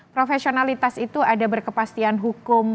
profesionalitas itu ada berkepastian hukum